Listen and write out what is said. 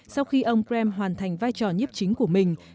sau khi ông krem hoàn thành vai trò nhếp chính của mình